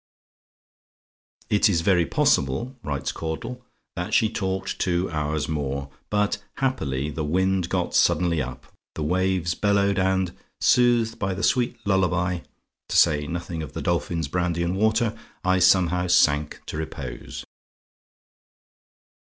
"It is very possible," writes Caudle, "that she talked two hours more, but, happily, the wind got suddenly up the waves bellowed and, soothed by the sweet lullaby (to say nothing of the Dolphin's brandy and water) I somehow sank to repose."